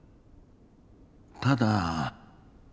ただ。